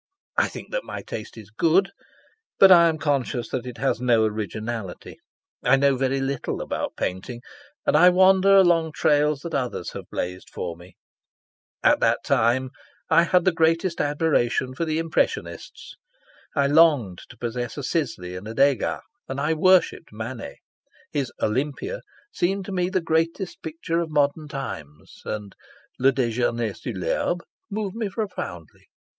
I think that my taste is good, but I am conscious that it has no originality. I know very little about painting, and I wander along trails that others have blazed for me. At that time I had the greatest admiration for the impressionists. I longed to possess a Sisley and a Degas, and I worshipped Manet. His seemed to me the greatest picture of modern times, and moved me profoundly.